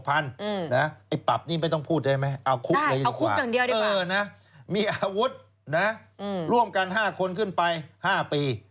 ไอ้ปรับนี่ไม่ต้องพูดได้ไหมเอาคุกเลยเอาคุกอย่างเดียวมีอาวุธนะร่วมกัน๕คนขึ้นไป๕ปี